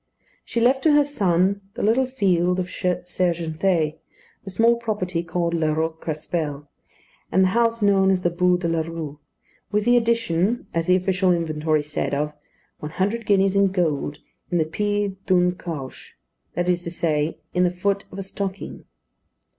She left to her son the little field of Sergentée, the small property called La Roque Crespel, and the house known as the Bû de la Rue; with the addition, as the official inventory said, of "one hundred guineas in gold in the pid d'une cauche," that is to say, in the foot of a stocking.